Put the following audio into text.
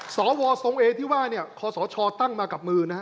สวสงเอที่ว่าพอสชตั้งมากับมือนะ